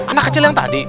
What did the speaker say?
anak kecil yang tadi